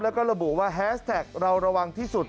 แล้วก็ระบุว่าแฮสแท็กเราระวังที่สุด